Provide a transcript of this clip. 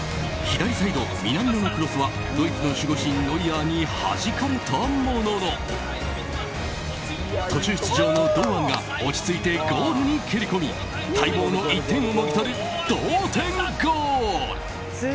左サイド、南野のクロスはドイツの守護神・ノイアーに弾かれたものの途中出場の堂安が落ち着いてゴールに蹴り込み待望の１点をもぎ取る同点ゴール。